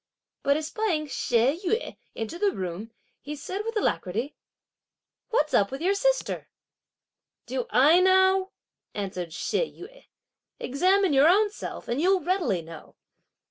But espying She Yüeh enter the room, he said with alacrity: "What's up with your sister?" "Do I know?" answered She Yüeh, "examine your own self and you'll readily know!"